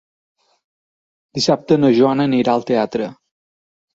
Dissabte na Joana anirà al teatre.